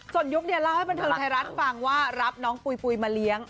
ส่วนยุคเนี่ยเล่าให้บันเทิงไทยรัฐฟังว่ารับน้องปุ๋ยมาเลี้ยง